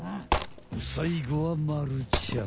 さいごはまるちゃん。